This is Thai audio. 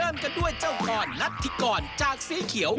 เริ่มกันด้วยเจ้าพรรัฐธิกรจากสีเขียว